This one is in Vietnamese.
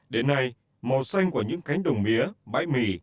đến nay màu xanh của những cánh đồng mía bãi mì